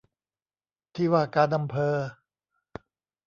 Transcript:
ที่ว่าการอำเภอ